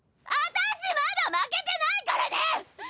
あたしまだ負けてないからね！